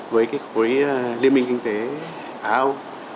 với cái khối liên minh kinh tế hà âu